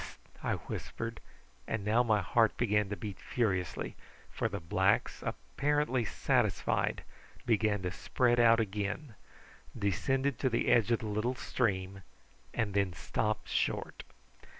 "Hist!" I whispered; and now my heart began to beat furiously, for the blacks, apparently satisfied, began to spread out again, descended to the edge of the little stream, and then stopped short.